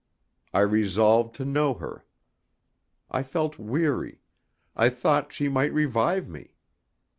I resolved to know her. I felt weary; I thought she might revive me.